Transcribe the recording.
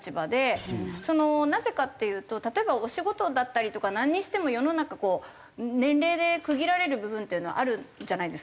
なぜかっていうと例えばお仕事だったりとかなんにしても世の中こう年齢で区切られる部分っていうのはあるじゃないですか。